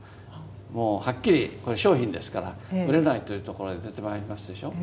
もうはっきりこれ商品ですから売れないというところで出てまいりますでしょう。